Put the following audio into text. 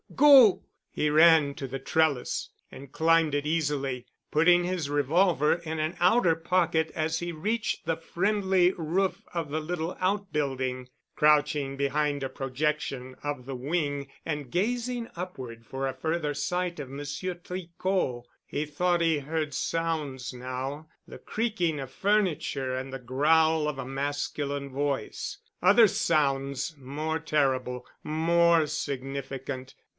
Go!" He ran to the trellis and climbed it easily, putting his revolver in an outer pocket as he reached the friendly roof of the little outbuilding, crouching behind a projection of the wing and gazing upward for a further sight of Monsieur Tricot. He thought he heard sounds now, the creaking of furniture and the growl of a masculine voice. Other sounds, more terrible, more significant....